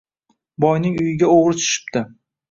Boyning uyiga o‘g‘ri tushibdi.